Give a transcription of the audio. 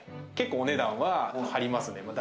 結構お値段は張りますね。